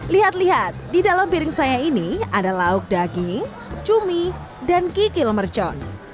lihat lihat di dalam piring saya ini ada lauk daging cumi dan kikil mercon